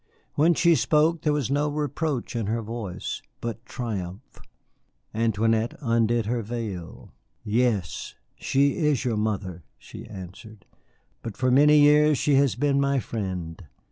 When she spoke there was no reproach in her voice, but triumph. Antoinette undid her veil. "Yes, she is your mother," she answered; "but for many years she has been my friend.